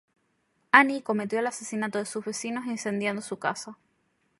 Annie cometió el asesinato de sus vecinos incendiando su casa.